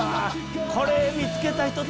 これ見つけた人